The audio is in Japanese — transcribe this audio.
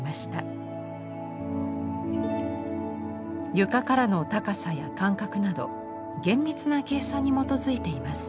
床からの高さや間隔など厳密な計算に基づいています。